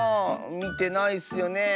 みてないッスよねえ。